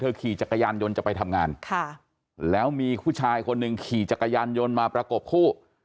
ขี่จักรยานยนต์จะไปทำงานค่ะแล้วมีผู้ชายคนหนึ่งขี่จักรยานยนต์มาประกบคู่